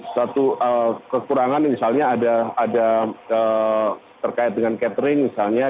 satu kekurangan misalnya ada terkait dengan catering misalnya